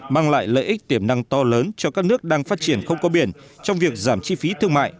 mang lại lợi ích tiềm năng to lớn cho các nước đang phát triển không có biển trong việc giảm chi phí thương mại